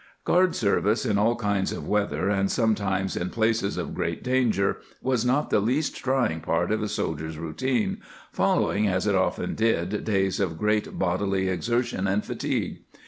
^ Guard service in all kinds of weather, and sometimes in places of great danger, was not the least trying part of the soldier's routine, follow ing, as it often did, days of great bodily exertion and fatigue.